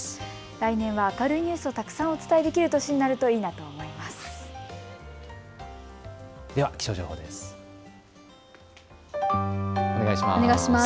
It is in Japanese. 来年は明るいニュースをたくさんお伝えできる年になるといいなと思っています。